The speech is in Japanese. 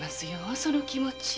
その気持。